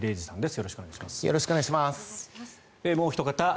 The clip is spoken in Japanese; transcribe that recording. よろしくお願いします。